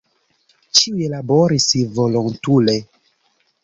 Ĉiuj laboris volontule.